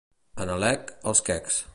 A Nalec, els quecs.